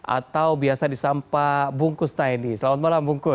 atau biasa disampa bung kusnaini selamat malam bung kus